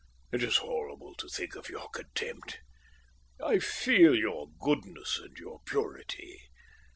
It is horrible to think of your contempt. I feel your goodness and your purity.